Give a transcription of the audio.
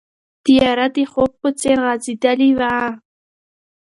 تیاره د خوب په څېر غځېدلې وه.